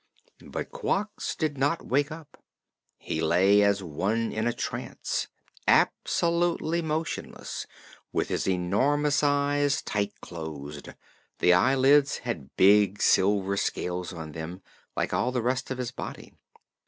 But Quox did not wake up. He lay as one in a trance, absolutely motionless, with his enormous eyes tight closed. The eyelids had big silver scales on them, like all the rest of his body.